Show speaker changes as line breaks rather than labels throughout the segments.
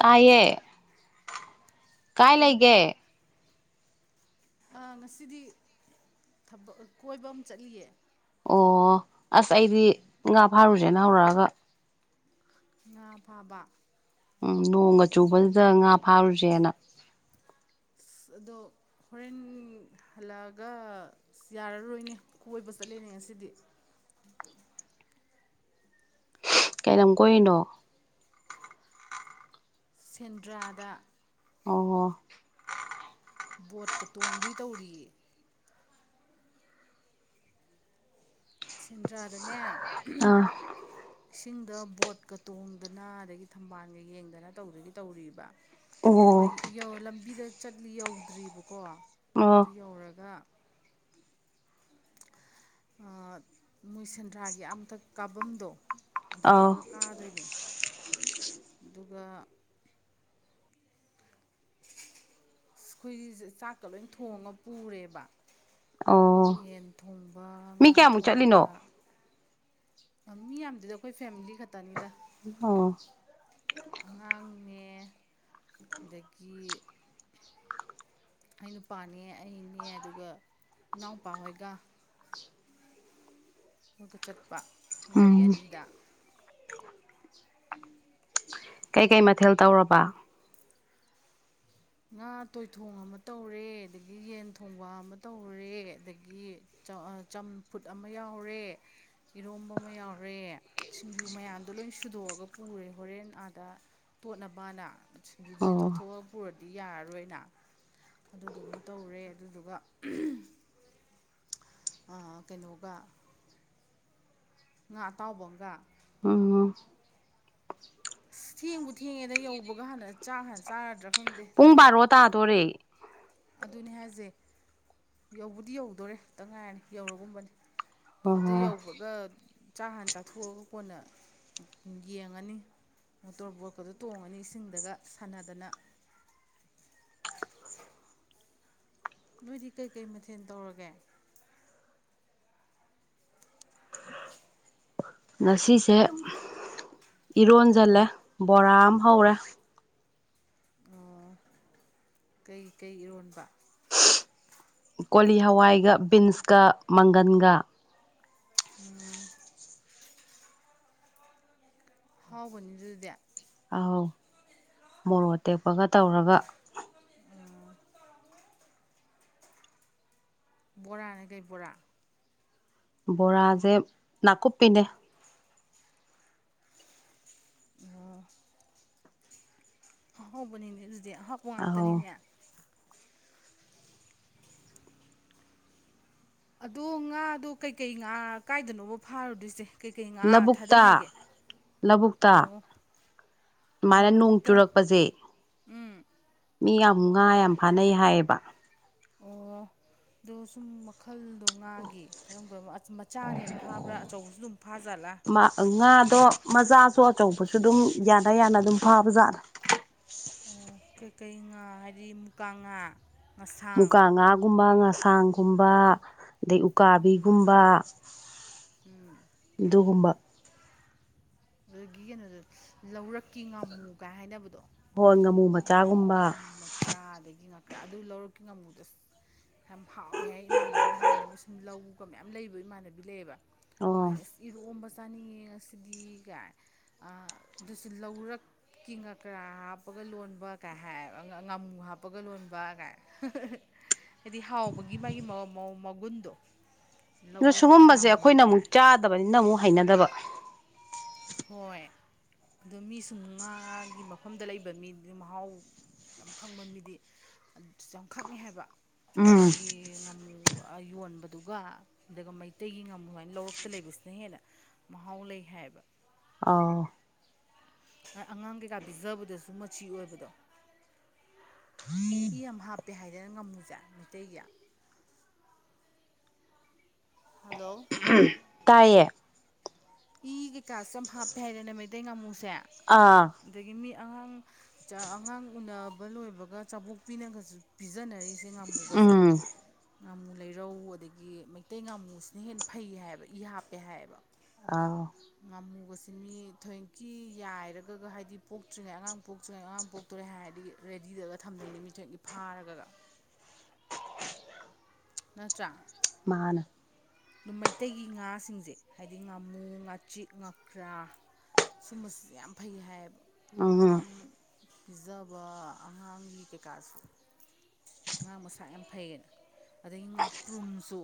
ꯇꯥꯏꯌꯦ ꯀꯥꯏ ꯂꯩꯒꯦ
ꯀꯩꯗꯧꯔꯝꯃꯤꯅꯣ ꯑꯥ ꯉꯁꯤꯗꯤ ꯊꯕꯛ ꯀꯣꯏꯕ ꯑꯃ ꯆꯠꯂꯤꯌꯦ
ꯑꯣ ꯑꯁ ꯑꯩꯗꯤ ꯉꯥ ꯐꯥꯔꯨꯁꯦꯅ ꯍꯧꯔꯛꯑꯒ
ꯉꯥ ꯐꯥꯕ
ꯎꯝ ꯅꯣꯡꯒ ꯆꯨꯕꯗꯨꯗ ꯉꯥ ꯐꯥꯔꯨꯁꯦꯅ
ꯑꯗꯣ ꯍꯣꯔꯦꯟ ꯍꯜꯂꯛꯑꯒ ꯌꯥꯔꯔꯣꯏꯅꯦ ꯀꯣꯏꯕ ꯆꯠꯂꯦꯅꯦ ꯉꯁꯤꯗꯤ
ꯀꯩ ꯂꯝ ꯀꯣꯏꯔꯤꯅꯣ
ꯁꯦꯟꯗ꯭ꯔꯥꯗ
ꯑꯣ
ꯕꯣꯠꯀ ꯇꯣꯡꯗꯣꯏ ꯇꯧꯔꯤꯌꯦ ꯁꯦꯟꯗ꯭ꯔꯥꯗꯅꯦ
[inaudible]
ꯏꯁꯤꯡꯗ ꯕꯣꯠꯀ ꯇꯣꯡꯗꯅ ꯑꯗꯒꯤ ꯊꯝꯕꯥꯜꯒ ꯌꯦꯡꯗꯅ ꯇꯧꯗꯨꯒꯤ ꯇꯧꯔꯤꯕ
ꯑꯣ
ꯑꯩꯈꯣꯏꯒꯤ ꯌꯧ ꯂꯝꯕꯤꯗ ꯆꯠꯂꯤ ꯌꯧꯗ꯭ꯔꯤꯕꯀꯣ
ꯑꯣ
ꯑꯗꯨ ꯌꯧꯔꯒ ꯑ ꯃꯣꯏ ꯁꯦꯟꯗ꯭ꯔꯥꯒꯤ ꯑꯥ ꯃꯊꯛ ꯀꯥꯕꯝꯗꯣ
ꯑꯥꯎ
ꯑꯗꯨꯗꯒ ꯀꯥꯗꯣꯏꯅꯦ ꯑꯗꯨꯒ ꯑꯩꯈꯣꯏꯒꯤꯁꯦ ꯆꯥꯛꯀ ꯂꯣꯏ ꯊꯣꯡꯉ ꯄꯨꯔꯦꯕ
ꯑꯣ
ꯌꯦꯟ ꯊꯣꯡꯕ
ꯃꯤ
ꯉꯥ
ꯀꯌꯥꯃꯨꯛ ꯆꯠꯂꯤꯅꯣ
ꯊꯣꯡꯕ ꯑ ꯃꯤ ꯌꯥꯝꯗꯦꯗ ꯑꯈꯣꯏ ꯐꯦꯝꯂꯤ ꯈꯛꯇꯅꯤꯗ
ꯑꯣ
ꯑꯉꯥꯡꯅꯦ ꯑꯗꯒꯤ ꯑꯩ ꯅꯨꯄꯥꯅꯦ ꯑꯩꯅꯦ ꯑꯗꯨꯒ ꯏꯅꯥꯎꯄꯥ ꯍꯣꯏꯒ ꯑꯗꯨꯒ ꯆꯠꯄ ꯒꯥꯔꯤ
ꯎꯝ
ꯑꯅꯤꯗ
ꯀꯩ ꯀꯩ ꯃꯊꯦꯜ ꯇꯧꯔꯕ
ꯉꯥ ꯇꯣꯏꯊꯣꯡ ꯑꯃ ꯇꯧꯔꯦ ꯑꯗꯒꯤ ꯌꯦꯟ ꯊꯣꯡꯕ ꯑꯃ ꯇꯧꯔꯦ ꯑꯗꯒꯤ ꯆ ꯑ ꯆꯝꯐꯨꯠ ꯑꯃ ꯌꯥꯎꯔꯦ ꯏꯔꯣꯝꯕ ꯑꯃ ꯌꯥꯎꯔꯦ ꯁꯤꯡꯖꯨ ꯃꯌꯥꯝꯗꯣ ꯂꯣꯏ ꯁꯨꯗꯣꯛꯑꯒ ꯄꯨꯔꯦ ꯍꯣꯔꯦꯟ ꯑꯥꯗ ꯇꯣꯠꯅꯕꯑꯅ ꯁꯤꯡꯖꯨꯗꯨꯗꯤ
ꯑꯣ
ꯇꯣꯠꯊꯣꯛꯑꯒ ꯄꯨꯔ ꯗꯤ ꯌꯥꯔꯔꯣꯏꯅ ꯑꯗꯨꯗꯨꯃ ꯇꯧꯔꯦ ꯑꯗꯨꯗꯨꯒ ꯑ ꯀꯩꯅꯣꯒ ꯉꯥ ꯑꯇꯥꯎꯕ ꯑꯝꯒ
ꯎꯝ
ꯑꯁ ꯊꯦꯡꯕꯨ ꯊꯦꯡꯉꯦꯗ ꯌꯧꯕꯒ ꯍꯥꯟꯅ ꯆꯥ ꯍꯥꯟꯅ ꯆꯥꯔꯗ꯭ꯔꯥ ꯈꯪꯗꯦ
ꯄꯨꯡ ꯕꯥꯔꯣ ꯇꯥꯗꯣꯔꯦ
ꯑꯗꯨꯅꯦ ꯍꯥꯏꯁꯦ ꯌꯧꯕꯗꯤ ꯌꯧꯗꯣꯔꯦ ꯈꯤꯛꯇꯪ ꯉꯥꯏꯔꯅꯤ ꯌꯧꯔꯒꯨꯝꯕꯅꯤ
ꯑꯣ
ꯑꯗꯨ ꯌꯧꯕꯒ ꯆꯥꯛ ꯍꯥꯟ ꯆꯥꯊꯣꯛꯑꯒ ꯀꯣꯟꯅ ꯌꯦꯡꯉꯅꯤ ꯃꯣꯇꯣꯔ ꯕꯣꯠꯀꯗꯣ ꯇꯣꯡꯉꯅꯤ ꯏꯁꯤꯡꯗꯒ ꯁꯥꯟꯅꯗꯅ ꯅꯣꯏꯗꯤ ꯀꯩ ꯀꯩ ꯃꯊꯦꯜ ꯇꯧꯔꯒꯦ
ꯉꯁꯤꯁꯦ ꯏꯔꯣꯟꯖꯜꯂꯦ ꯕꯣꯔꯥ ꯑꯃ ꯍꯧꯔꯦ
ꯑꯣ ꯀꯩ ꯀꯩ ꯏꯔꯣꯟꯕ
ꯀꯣꯂꯤ ꯍꯋꯥꯏꯒ ꯕꯤꯟꯁꯀ ꯃꯪꯒꯟꯒ
ꯎꯝ ꯍꯥꯎꯕꯅꯤ ꯑꯗꯨꯗꯤ
ꯑꯧ ꯃꯣꯔꯣꯛ ꯑꯇꯦꯛꯄꯒ ꯇꯧꯔꯒ
ꯎꯝ ꯕꯣꯔꯥꯅ ꯀꯩ ꯕꯣꯔꯥ
ꯕꯣꯔꯖꯦ ꯅꯀꯨꯞꯄꯤꯅꯦ
ꯑꯣ ꯑꯍꯥꯎꯧꯕꯅꯤꯅꯦ ꯑꯗꯨꯗꯤ ꯑꯍꯥꯎꯕ
ꯑꯧ
ꯉꯥꯛꯇꯅꯤꯅꯦ ꯑꯗꯣ ꯉꯥꯗꯣ ꯀꯩ ꯀꯩ ꯉꯥ ꯀꯥꯏꯗꯅꯣꯕ ꯐꯥꯔꯨꯗꯨꯏꯁꯦ ꯀꯩ ꯀꯩ ꯉꯥ ꯊꯥꯗꯩ
ꯂꯧꯕꯨꯛꯇ
ꯍꯥꯏꯒꯦ
ꯂꯧꯕꯨꯛꯇ
ꯑꯣ ꯑꯣ
ꯁꯨꯃꯥꯏꯅ ꯅꯣꯡ
ꯂꯧꯕꯨꯛꯇ
ꯆꯨꯔꯛꯄꯁꯦ
ꯎꯝ
ꯃꯤ ꯌꯥꯝ ꯉꯥ ꯌꯥꯝ ꯐꯥꯅꯩ ꯍꯥꯏꯌꯦꯕ
ꯑꯣ ꯑꯗꯣ ꯁꯨꯝ ꯃꯈꯜꯗꯣ ꯉꯥꯒꯤ ꯀꯔꯝ ꯀꯔꯝꯕ ꯃꯆꯥꯅ ꯍꯦꯟꯅ ꯐꯥꯕ꯭ꯔꯥ ꯑꯆꯧꯕꯁꯨ ꯑꯗꯨꯝ ꯐꯥꯖꯠꯂꯥ
ꯉꯥꯗꯣ ꯃꯆꯥꯁꯨ ꯑꯆꯧꯕꯁꯨ ꯑꯗꯨꯝ ꯌꯥꯅ ꯌꯥꯅ ꯑꯗꯨꯝ ꯐꯥꯕ ꯖꯥꯠꯂ
ꯀꯩꯀꯩ ꯉꯥ ꯍꯥꯏꯔꯤ ꯃꯨꯀꯥ ꯉꯥ ꯉꯁꯥꯡ
ꯃꯨꯒꯥ ꯉꯥꯒꯨꯝꯕ ꯉꯥꯁꯥꯡꯒꯨꯝꯕ ꯑꯗꯩ
ꯎꯝ
ꯎꯀꯥꯕꯤꯒꯨꯝꯕ
ꯎꯝ
ꯑꯗꯨꯒꯨꯝꯕ
ꯑꯗꯨꯗꯒꯤ ꯀꯩꯅꯣꯗꯣ ꯂꯧꯔꯛꯀꯤ ꯉꯥꯃꯨ ꯀꯥꯏ ꯍꯥꯏꯅꯕꯗꯣ
ꯍꯣꯏ ꯉꯥꯃꯨ ꯃꯆꯥꯒꯨꯝꯕ
ꯆꯥꯗꯒꯤ ꯉꯥꯛꯇ ꯑꯗꯨ ꯂꯧꯔꯛꯀꯤ ꯉꯃꯨꯗꯣ ꯌꯥꯝ ꯍꯥꯎꯋꯦ ꯍꯥꯏ ꯏꯃꯥꯟꯅꯕꯤꯅ ꯍꯥꯏꯅꯤ ꯃꯣꯏ ꯁꯨꯝ ꯂꯧꯒ ꯃꯌꯥꯝ ꯂꯩꯕ ꯏꯃꯥꯟꯅꯕꯤ ꯂꯩꯌꯦꯕ
ꯑꯣ
ꯃꯥꯏꯅ ꯑꯁ ꯏꯔꯣꯝꯕ ꯆꯥꯅꯤꯡꯉꯦ ꯉꯁꯤꯗꯤ ꯀꯥꯢꯅ ꯑꯥ ꯑꯗꯨꯁꯨ ꯂꯧꯔꯛ ꯀꯤ ꯉꯀ꯭ꯔꯥ ꯍꯥꯞꯄꯒ ꯂꯣꯟꯕ ꯀꯥꯢ ꯍꯥꯏꯕ ꯉꯥꯃꯨ ꯍꯥꯞꯄꯒ ꯂꯣꯟꯕ ꯀꯥꯢꯅ ꯍꯥꯏꯗꯤ ꯍꯥꯎꯕꯒꯤ ꯃꯥꯒꯤ ꯃꯒꯨꯟꯗꯣ
ꯑꯗꯨꯗ
ꯂꯧꯔꯛꯀꯤ
ꯁꯤꯨꯒꯨꯝꯕꯁꯦ
ꯉꯥꯃꯨ
ꯑꯩꯈꯣꯏꯅ ꯑꯃꯨꯛ
ꯀꯥꯏ
ꯆꯥꯗꯕꯅꯤꯅ ꯑꯃꯨꯛ ꯍꯩꯅꯗꯕ
ꯍꯣꯏ ꯑꯗꯣ ꯃꯤꯁꯨ ꯉꯥꯒꯤ ꯃꯐꯝꯗ ꯂꯩꯕ ꯃꯤꯗꯨ ꯃꯍꯥꯎ ꯌꯥꯝ ꯈꯪꯕ ꯃꯤꯗꯤ ꯌꯥꯝ ꯈꯪꯉꯦ ꯍꯥꯏꯕ
ꯎꯝ
ꯆꯨꯝꯅꯒꯤ ꯉꯝꯃꯨ ꯌꯣꯟꯕꯗꯨꯒ ꯑꯗꯨꯒ ꯃꯩꯇꯩꯒꯤ ꯉꯥꯃꯨ ꯁꯃꯥꯏꯅ ꯂꯧꯔꯛꯇ ꯂꯩꯕꯁꯤꯅ ꯍꯦꯟꯅ ꯃꯍꯥꯎ ꯂꯩ ꯍꯥꯏꯌꯦꯕ
ꯑꯥꯎ
ꯑꯉꯥꯡ ꯀꯩꯀꯥ ꯄꯤꯖꯕꯗꯁꯨ ꯃꯆꯤ ꯑꯣꯏꯕꯗꯣ ꯢ ꯌꯥꯝ ꯍꯥꯞꯄꯦ ꯍꯥꯏꯗꯅ ꯉꯝꯃꯨꯁꯦ ꯃꯩꯇꯩꯒꯤ ꯍꯜꯂꯣ
ꯇꯥꯏꯌꯦ
ꯏꯒꯤꯀꯥꯁꯨ ꯌꯥꯝ ꯍꯥꯞꯄꯦ ꯍꯥꯏꯗꯅ ꯃꯩꯇꯩ ꯉꯥꯃꯨꯁꯦ
ꯑꯥ
ꯑꯗꯒꯤ ꯃꯤ ꯑꯉꯥꯡ ꯑꯉꯥꯡ ꯎꯅꯕ ꯂꯣꯏꯕꯒ ꯆꯥꯕꯣꯛꯄꯤꯅꯒꯁꯨ ꯄꯤꯖꯅꯔꯤꯁꯦ ꯉꯥꯃꯨꯒꯁꯦ
ꯎꯝ
ꯉꯥꯃꯨ ꯂꯩꯔꯧ ꯑꯗꯒꯤ ꯃꯩꯇꯩ ꯉꯥꯃꯨꯁꯤꯅ ꯍꯦꯟꯅ ꯐꯩ ꯍꯥꯏꯕ ꯏ ꯍꯥꯞꯄꯦ ꯍꯥꯏꯌꯦꯕ
ꯑꯥꯎ
ꯉꯥꯃꯨꯒꯁꯦ ꯃꯤ ꯊꯣꯏꯀꯤ ꯌꯥꯏꯔꯒꯒ ꯍꯥꯏꯗꯤ ꯄꯣꯛꯇ꯭ꯔꯤꯉꯩ ꯑꯉꯥꯡ ꯄꯣꯛꯇ꯭ꯔꯤꯉꯩ ꯑꯉꯥꯡ ꯄꯣꯛ ꯇꯣꯔꯦ ꯍꯥꯏꯔꯗꯤ ꯔꯦꯗꯤꯗꯒ ꯊꯝꯃꯤꯅꯤ ꯃꯤꯊꯣꯢꯒꯤ ꯐꯥꯔꯒ ꯅꯠꯇ꯭ꯔꯥ
ꯃꯥꯅꯦ
ꯑꯗꯨ ꯃꯩꯇꯩꯒꯤ ꯉꯥꯁꯤꯡꯁꯦ ꯍꯥꯏꯗꯤ ꯉꯥꯃꯨ ꯉꯥꯆꯤꯛ ꯉꯥꯀ꯭ꯔꯥ ꯁꯨꯝꯕꯁꯤ ꯌꯥꯝ ꯐꯩ ꯍꯥꯏꯌꯦꯕ
ꯎꯝ
ꯑꯉꯥꯡ ꯄꯤꯖꯕ ꯑꯉꯥꯡꯒꯤ ꯀꯩꯀꯥꯁꯨ ꯑꯉꯥꯡ ꯃꯁꯥ ꯌꯥꯝ ꯐꯩꯌꯦꯅ ꯑꯗꯩ ꯉꯥꯄ꯭ꯔꯨꯝꯁꯨ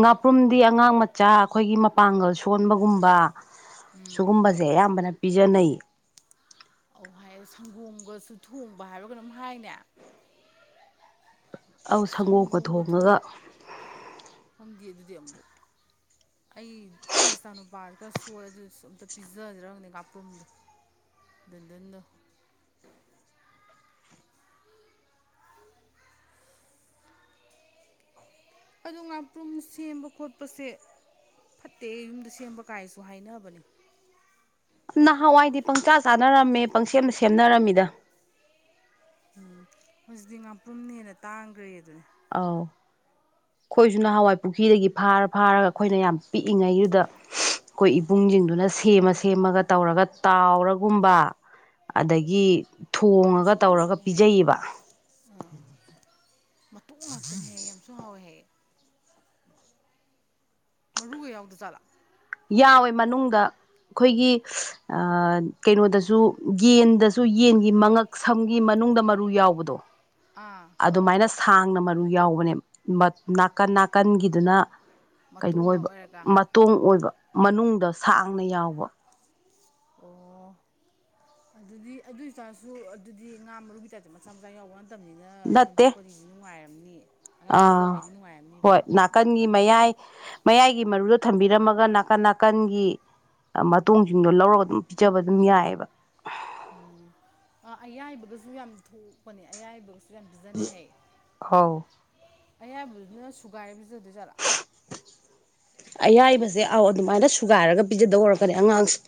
ꯉꯥꯄ꯭ꯔꯨꯝꯗꯤ ꯑꯉꯥꯡ ꯃꯆꯥ ꯑꯩꯈꯣꯏꯒꯤ ꯃꯄꯥꯡꯒꯜ ꯁꯣꯟꯕꯒꯨꯝꯕ ꯁꯤꯨꯒꯨꯝꯕꯁꯦ ꯑꯌꯥꯝꯕꯅ ꯄꯤꯖꯅꯩ
ꯑꯧ ꯍꯥꯏ ꯁꯪꯒꯣꯝꯒꯁꯨ ꯊꯣꯡꯕ ꯍꯥꯏꯕ ꯀꯩꯅꯣꯝ ꯍꯥꯏꯅꯦ
ꯑꯧ ꯁꯪꯒꯣꯝꯒ ꯊꯣꯡꯉꯒ
ꯈꯪꯗꯦ ꯑꯗꯨꯗꯤ ꯑꯃꯨꯛꯐꯥꯎ ꯑꯩ ꯑꯩ ꯏꯆꯥꯅꯨꯄꯥꯒ ꯈꯔ ꯁꯣꯜꯂꯦ ꯑꯗꯨꯁꯨ ꯑꯝꯇ ꯄꯤꯖꯁꯤꯔ ꯉꯥꯄ꯭ꯔꯨꯝꯗꯣ ꯗꯨꯟꯗꯨꯟ ꯗꯣ ꯑꯗꯣ ꯉꯥꯄ꯭ꯔꯨꯝ ꯁꯦꯝꯕ ꯈꯣꯠꯄꯁꯦ ꯐꯠꯇꯦ ꯏꯃꯨꯡꯗ ꯁꯦꯝꯕ ꯀꯥꯏꯁꯨ ꯍꯥꯏꯅꯕꯅꯦ
ꯅꯍꯥꯟꯋꯥꯏꯗꯤ ꯄꯪꯆꯥ ꯆꯥꯅꯔꯝꯃꯦ ꯄꯪꯁꯦꯝ ꯁꯦꯝꯅꯔꯝꯃꯤꯗ
ꯎꯝ ꯍꯧꯖꯤꯛꯇꯤ ꯉꯥꯄꯨꯝꯅ ꯍꯦꯟꯅ ꯇꯥꯡꯈ꯭ꯔꯦ ꯑꯗꯨꯅꯦ
ꯑꯥꯎ ꯑꯩꯈꯣꯏꯁꯨ ꯅꯍꯋꯥꯏ ꯄꯨꯈ꯭ꯔꯤꯗꯒꯤ ꯐꯥꯔ ꯐꯥꯔꯒ ꯑꯩꯈꯣꯏꯅ ꯌꯥꯝ ꯄꯤꯛꯏꯉꯩꯗꯨꯗ ꯑꯩꯈꯣꯏ ꯏꯕꯨꯡꯁꯤꯡꯗꯨꯅ
ꯑꯥꯎ
ꯁꯦꯝꯃ ꯁꯦꯝꯃꯒ ꯇꯧꯔꯒ ꯇꯥꯎꯔꯒꯨꯝꯕ ꯑꯗꯒꯤ ꯊꯣꯡꯉꯒ ꯇꯧꯔꯒ ꯄꯤꯖꯩꯌꯦꯕ
ꯁꯥ ꯃꯇꯣꯛ ꯉꯥꯛꯇꯅꯦ ꯍꯥꯢꯌꯦ ꯌꯥꯝꯁꯨ ꯍꯥꯎꯋꯦ ꯍꯥꯢꯌꯦ ꯃꯔꯨꯒ ꯌꯥꯎꯗ ꯖꯠꯂꯥ
ꯌꯥꯎꯋꯦ ꯃꯅꯨꯡꯗ ꯑꯩꯈꯣꯏꯒꯤ ꯀꯩꯅꯣꯗꯁꯨ ꯌꯦꯟꯗꯁꯨ ꯌꯦꯟꯒꯤ ꯃꯉꯛ ꯁꯝꯒꯤ ꯃꯅꯨꯡꯗ ꯃꯔꯨ ꯌꯥꯎꯕꯗꯣ
ꯑꯥ
ꯑꯗꯨꯃꯥꯏꯅ ꯁꯥꯡꯅ ꯃꯔꯨ ꯌꯥꯎꯕꯅꯦꯕ ꯅꯥꯀꯟ ꯅꯥꯀꯟꯒꯤꯗꯨꯅ ꯀꯩꯅꯣ
ꯃꯇꯣꯡ ꯉꯥꯛ
ꯑꯣꯏꯕ
ꯑꯣꯏꯔꯒ
ꯃ ꯇꯣꯡꯑꯣꯏꯕ ꯃꯅꯨꯡꯗ ꯁꯥꯡꯅ ꯌꯥꯎꯕ
ꯑꯣ ꯑꯗꯨꯗꯤ ꯑꯗꯨꯢꯆꯥꯔꯁꯨ ꯑꯗꯨꯗꯤ ꯉꯥ ꯃꯔꯨꯒꯤ ꯇꯥꯏꯞꯇ ꯃꯆꯥ ꯃꯆꯥ ꯌꯥꯎꯕ ꯅꯠꯇꯕꯅꯤꯅ ꯑꯩꯅ
ꯅꯠꯇꯦ
ꯈꯟꯗꯣꯛꯄꯅꯤꯗꯤ ꯅꯨꯡꯉꯥꯏꯔꯝꯅꯤ ꯑꯉꯥꯡ
ꯑꯥ
ꯄꯤꯖꯕꯩꯗꯤ ꯅꯨꯡꯉꯥꯏꯔꯝꯅꯤꯕ
ꯍꯣꯏ ꯅꯥꯀꯟꯒꯤ
ꯃꯇꯨꯡ
ꯃꯌꯥꯏ ꯃꯌꯥꯏꯒꯤ ꯃꯔꯨꯗ ꯊꯝꯕꯤꯔꯝꯃꯒ ꯅꯥꯀꯟ ꯅꯥꯀꯟꯒꯤ ꯃ ꯇꯣꯡꯁꯤꯡꯗꯣ ꯂꯧꯔꯒ ꯑꯗꯨꯝ ꯄꯤꯖꯕ ꯑꯗꯨꯝ ꯌꯥꯏꯑꯕ
ꯎꯝ ꯑ ꯑꯌꯥꯏꯕꯒꯁꯨ ꯌꯥꯝ ꯊꯣꯛꯄꯅꯦ ꯑꯌꯥꯏꯕꯒꯁꯨ ꯨꯄꯤꯖꯅꯍꯌꯦ
ꯑꯧ
ꯑꯌꯥꯝꯕꯗꯨꯅ ꯁꯨꯒꯥꯏꯔ ꯄꯤꯖꯗꯣꯏ ꯖꯥꯠꯂ
ꯑꯌꯥꯏꯕꯁꯦ ꯑꯧ ꯑꯗꯨꯃꯥꯏꯅ ꯁꯨꯒꯥꯏꯔꯒ ꯄꯤꯖꯗꯧꯔꯛꯀꯅꯤ ꯑꯉꯥꯡꯁꯦ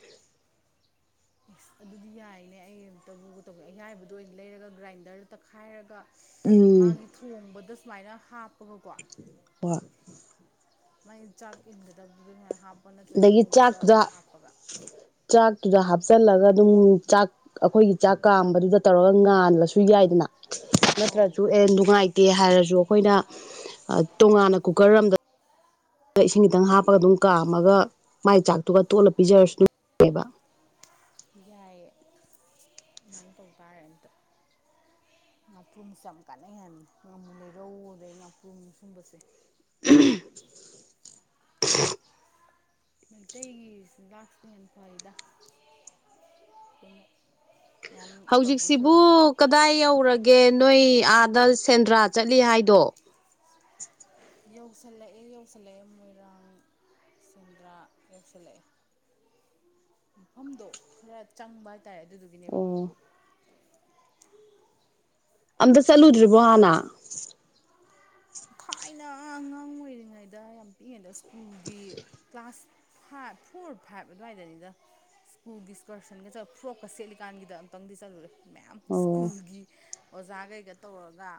ꯑꯦꯁ ꯑꯗꯨꯗꯤ ꯌꯥꯏꯅꯦ ꯑꯩ ꯑꯝꯇꯕꯨ ꯇꯧꯒꯦ ꯑꯌꯥꯏꯕꯗꯨ ꯑꯣꯏꯅ ꯂꯩꯔꯒ ꯒ꯭ꯔꯥꯏꯟꯗꯔꯗ ꯇꯛꯈꯥꯏꯔꯒ
ꯎꯝ
ꯃꯥꯒꯤ ꯊꯣꯡꯕꯗ ꯁꯨꯃꯥꯏꯅ ꯍꯥꯞꯄꯒꯀꯣ
ꯍꯣꯏ
ꯃꯥꯏ ꯆꯥꯛ ꯏꯟꯒꯗꯕꯗꯨꯗꯒꯤꯥ ꯍꯥꯞꯄ ꯅꯠꯇ꯭ꯔꯒ
ꯑꯗꯒꯤ
ꯊꯣꯡꯕꯗ
ꯆꯥꯛꯇꯨꯗ
ꯍꯥꯞꯄꯒ
ꯆꯥꯛꯇꯨꯗ ꯍꯥꯞꯆꯤꯜꯂꯒ ꯑꯗꯨꯝ ꯆꯥꯛ ꯑꯩꯈꯣꯏꯒꯤ ꯆꯥꯛ ꯀꯥꯝꯕꯗꯨꯗ ꯇꯧꯔꯒ ꯉꯥꯜꯂꯁꯨ ꯌꯥꯏꯗꯅ
ꯑꯧ
ꯅꯠꯇ꯭ꯔꯁꯨ ꯑꯦ ꯅꯨꯡꯉꯥꯏꯇꯦ ꯍꯥꯏꯔꯁꯨ ꯑꯩꯈꯣꯏꯅ ꯇꯣꯉꯥꯟꯅ ꯀꯨꯀꯔ ꯑꯝꯗ ꯏꯁꯤꯡ ꯈꯤꯇꯪ ꯍꯥꯞꯄꯒ ꯑꯗꯨꯝ ꯀꯥꯝꯃꯒ ꯃꯥꯏ ꯆꯥꯛꯇꯨꯒ ꯇꯣꯠꯂ ꯄꯤꯖꯔꯁꯨ ꯑꯗꯨ ꯕ
ꯌꯥꯏꯌꯦ ꯑꯗꯨꯃꯥꯏꯅ ꯇꯧ ꯇꯥꯔꯦ ꯑꯝꯇ ꯉꯥꯄ꯭ꯔꯨꯝꯁꯦ ꯌꯥꯝ ꯀꯥꯟꯅꯩꯍꯜꯂꯤ ꯉꯥꯃꯨ ꯂꯩꯔꯧ ꯑꯗꯩ ꯉꯥꯄ꯭ꯔꯨꯝ ꯁꯨꯝꯕꯁꯦ
ꯎꯝ [inaudible]
ꯃꯩꯇꯩꯒꯤ ꯆꯤꯟꯖꯥꯛꯁꯤꯅ ꯍꯦꯟꯅ ꯐꯩꯗ ꯃꯌꯥꯝ ꯇꯧꯗꯣꯏ
ꯍꯧꯖꯤꯛꯁꯤꯕꯨ
ꯁꯔꯨꯛ
ꯀꯗꯥꯏ ꯌꯧꯔꯒꯦ ꯅꯣꯏ ꯑꯥꯗ ꯁꯦꯟꯗ꯭ꯔꯥ ꯆꯠꯂꯤ ꯍꯥꯏꯗꯣ
ꯌꯧꯁꯜꯂꯛꯑꯦ ꯌꯧꯁꯜꯂꯛꯑꯦ ꯃꯣꯏꯔꯥꯡ ꯁꯨꯗ꯭ꯔꯥ ꯌꯥꯎꯁꯤꯜꯂꯛꯑꯦ ꯃꯐꯝꯗꯣ ꯈꯔ ꯆꯪꯕ ꯍꯥꯢ ꯇꯥꯏ ꯑꯗꯨꯗꯨꯒꯤꯅꯦꯕ
ꯑꯣ ꯑꯝꯇ ꯆꯠꯂꯨꯗ꯭ꯔꯤꯕꯣ ꯍꯥꯟꯅ
ꯊꯥꯏꯅ ꯑꯉꯥꯡ ꯑꯣꯏꯔꯤꯉꯩꯗ ꯌꯥꯝ ꯄꯤꯛꯉꯩꯗ ꯁ꯭ꯀꯨꯜꯒꯤ ꯀ꯭ꯂꯥꯁ ꯐꯥꯏꯚ ꯐꯣꯔ ꯐꯥꯏꯚ ꯑꯗꯨꯋꯥꯏꯗꯅꯤꯗ ꯁ꯭ꯀꯨꯜꯒꯤ ꯏꯁꯀꯔꯁꯟꯒ ꯆꯠꯂ ꯐ꯭ꯔꯣꯞꯀ ꯁꯦꯠꯂꯤꯀꯥꯟꯒꯤꯗ ꯑꯨꯛꯇꯪꯗꯤ ꯆꯠꯂꯨꯔꯦ ꯃꯌꯥꯝ
ꯑꯣ
ꯁ꯭ꯀꯨꯜꯒꯤ ꯑꯣꯖꯥꯈꯩꯒ ꯇꯧꯔꯒ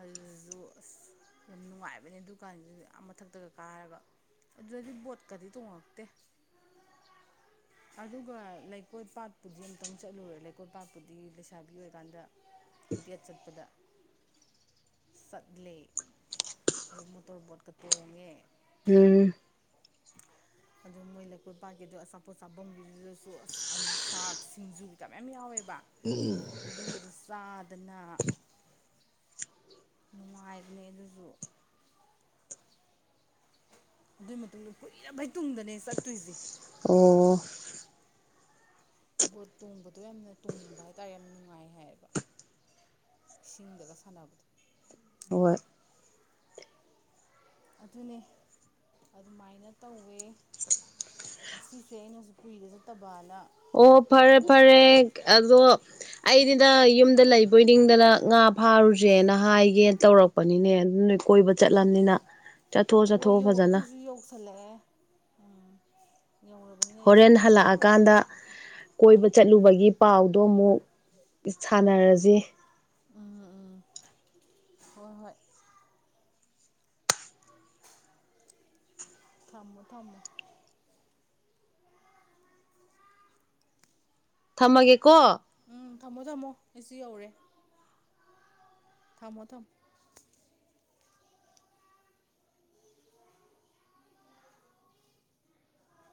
ꯑꯗꯨꯗꯁꯨ ꯑꯁ ꯌꯥꯝ ꯅꯨꯡꯉꯥꯏꯕꯅꯦ ꯗꯨꯀꯥꯟꯗꯨꯁꯨ ꯌꯥꯝ ꯃꯊꯛꯇꯒ ꯀꯥꯔꯒ ꯑꯗꯨꯗꯗꯤ ꯕꯣꯠꯀꯗꯤ ꯇꯣꯡꯉꯛꯇꯦ
[inaudible]
ꯑꯗꯨꯒ ꯂꯩꯀꯣ ꯄꯥꯠꯄꯨꯗꯤ ꯑꯃꯨꯛꯇꯪ ꯆꯠꯂꯨꯔꯦ ꯂꯩꯀꯣꯠ ꯄꯥꯠꯄꯨꯗꯤ ꯂꯩꯁꯥꯕꯤ ꯑꯣꯏꯔꯀꯥꯟꯗ ꯗꯦꯠ ꯆꯠꯄꯗ
[inaudible]
ꯆꯠꯂꯦ ꯑꯗꯨ ꯃꯣꯇꯣꯔ ꯕꯣꯠꯀ ꯇꯣꯡꯉꯦ
ꯎꯝ
ꯑꯗꯨ ꯃꯣꯏꯅ ꯀꯣꯏꯄꯥꯒꯤꯗꯣ ꯑꯆꯥꯄꯣꯠ ꯆꯥꯐꯝꯒꯤꯗꯨꯗꯁꯨ ꯑꯂꯨ ꯆꯥꯛ ꯁꯤꯡꯖꯨ ꯃ ꯌꯥꯝ ꯌꯥꯎꯋꯦꯕ ꯑꯗꯨꯒꯗ ꯆꯥꯗꯅ ꯅꯨꯡꯉꯥꯏꯕꯅꯦ ꯑꯗꯨꯁꯨ ꯑꯗꯨꯏ ꯃꯇꯨꯡꯗ ꯀꯨꯏꯔꯕꯩ ꯇꯨꯡꯗꯅꯦ ꯆꯠꯇꯣꯏꯁꯦ
ꯑꯣ
ꯕꯣꯠ ꯇꯣꯡꯕꯗꯣ ꯌꯥꯝꯅ ꯇꯣꯡꯅꯤꯡꯕ ꯍꯥꯏꯇꯥꯔꯦ ꯌꯥꯝ ꯅꯨꯡꯉꯥꯏ ꯍꯥꯏꯌꯦꯕ ꯁꯤꯡꯗꯒ ꯁꯥꯟꯅꯕꯗꯣ
ꯍꯣꯏ
ꯑꯗꯨꯅꯦ ꯑꯗꯨꯃꯥꯏꯅ ꯇꯧꯋꯦ ꯁꯤꯁꯦ ꯑꯩꯅꯁꯨ ꯀꯨꯏꯗ ꯆꯠꯇꯕꯅ
ꯑꯣ ꯐꯔꯦ
ꯄꯨꯊꯣꯛꯑꯕ
ꯐꯔꯦ ꯑꯗꯣ ꯑꯩꯗꯤꯅ ꯌꯨꯝꯗ ꯂꯩꯕꯣꯏ ꯅꯤꯡꯗꯅ ꯉꯥ ꯐꯥꯔꯨꯁꯦꯅ ꯍꯥꯏꯒꯦꯅ ꯇꯧꯔꯛꯄ ꯑꯣꯅꯤꯅꯦ ꯑꯗꯨ ꯅꯣꯏ ꯀꯣꯏꯕ ꯆꯠꯂꯝꯅꯤꯅ ꯆꯠꯊꯣꯛ
ꯍꯣ
ꯆꯠꯊꯣꯛꯑꯣ
ꯌꯧ
ꯐꯖꯅ
ꯑꯩꯈꯣꯏꯁꯨ ꯌꯧꯁꯜꯂꯛꯑꯦ ꯎꯝ ꯌꯧꯔꯕꯅꯤꯅ
ꯍꯣꯔꯦꯟ
ꯑꯩꯁꯨ ꯀꯩ ꯀꯩꯅꯣ
ꯍꯜꯂꯛꯑꯀꯥꯟꯗ ꯀꯣꯏꯕ ꯆꯠꯂꯨꯕꯒꯤ ꯄꯥꯎꯗꯣ ꯑꯃꯨꯛ ꯁꯥꯟꯅꯔꯖꯦ
ꯎꯝ ꯎꯝ ꯍꯣꯏ ꯍꯣꯏ [inaudible] ꯊꯝꯃꯣ ꯊꯝꯃꯣ
ꯊꯝꯃꯒꯦꯀꯣ
ꯎꯝ ꯊꯝꯃꯣ ꯊꯝꯃꯣ ꯑꯩꯁꯨ ꯌꯧꯔꯦ ꯊꯥꯝꯃꯣ ꯊꯝ